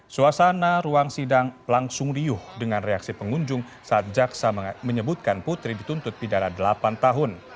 suasana ruang sidang langsung riuh dengan reaksi pengunjung saat jaksa menyebutkan putri dituntut pidana delapan tahun